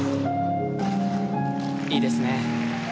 いいですね。